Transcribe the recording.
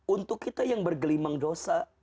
untuk kita yang bergelimang dosa